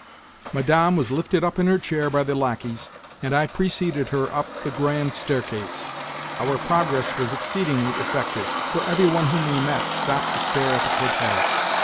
Madame was lifted up in her chair by the lacqueys, and I preceded her up the grand staircase. Our progress was exceedingly effective, for everyone whom we met stopped to stare at the cortège.